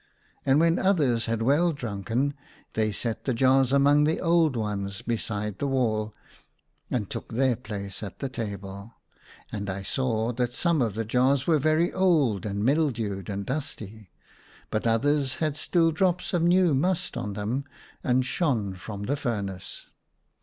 And when others had well drunken they set the jars among the old ones beside the wall, and took their places at the table. And I saw that some of the jars were very old and mildewed and dusty, but others had still drops of new must on them and shone from the furnace.